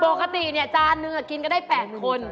ปกติจานหนึ่งกินก็ได้๘คน